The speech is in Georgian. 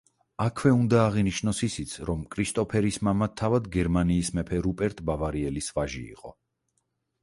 აქვე უნდა აღინიშნოს ისიც, რომ კრისტოფერის მამა თავად გერმანიის მეფე რუპერტ ბავარიელის ვაჟი იყო.